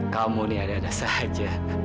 kamu nih ada saja